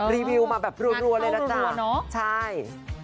รีวิวมาแบบรวดรัวเลยล่ะจ้ะงานเข้ารัวรัวรัวเนอะใช่